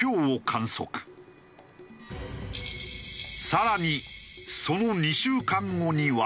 さらにその２週間後には。